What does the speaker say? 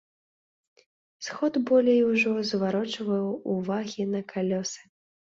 Сход болей ужо зварочваў ўвагі на калёсы.